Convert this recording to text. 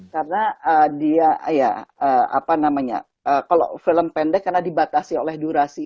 karena dia ya apa namanya kalau film pendek karena dibatasi oleh durasi